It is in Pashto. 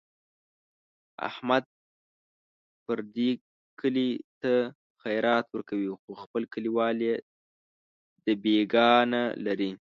احمد پردي کلي ته خیرات ورکوي، خو خپل کلیوال یې دبیګاه نه لري.